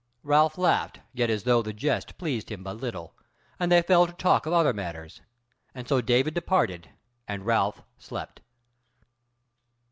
Ralph laughed: yet as though the jest pleased him but little; and they fell to talk of other matters. And so David departed, and Ralph slept.